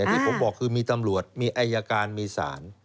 แต่ที่ผมบอกคือมีตำรวจมีอายการมีศาล